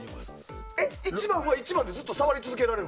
１番は１番でずっと触り続けられる？